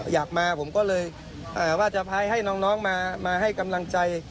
อยากมาผมก็เลยว่าจะพายให้น้องมาให้กำลังใจ